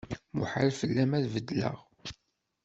Muḥal fell-am ad beddleɣ.